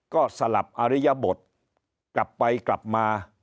ก็สลับอริยบทกลับไปกลับมา